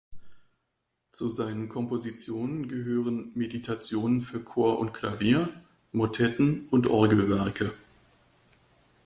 Zu seinen Kompositionen gehören Meditationen für Chor und Klavier, Motetten und Orgelwerke.